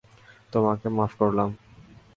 তোমাকে মাফ করলাম।